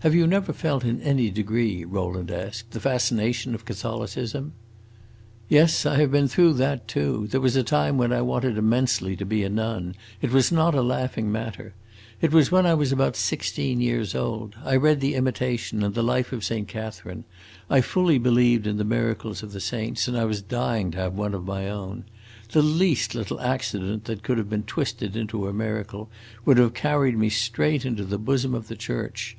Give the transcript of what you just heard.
"Have you never felt in any degree," Rowland asked, "the fascination of Catholicism?" "Yes, I have been through that, too! There was a time when I wanted immensely to be a nun; it was not a laughing matter. It was when I was about sixteen years old. I read the Imitation and the Life of Saint Catherine. I fully believed in the miracles of the saints, and I was dying to have one of my own. The least little accident that could have been twisted into a miracle would have carried me straight into the bosom of the church.